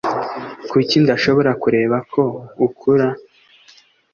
kuki ntashobora kureba ko ukura?